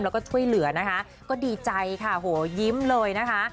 แล้วก็ช่วยเหลือนะคะก็ดีใจค่ะโหยิ้มเลยนะคะ